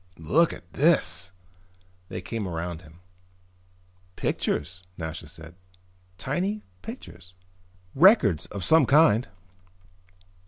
"Look at this!" They came around him. "Pictures," Nasha said. "Tiny pictures." "Records of some kind."